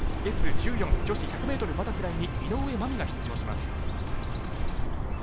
Ｓ１４女子１００ｍバタフライに井上舞美が出場します。